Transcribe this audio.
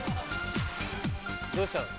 どうしたの？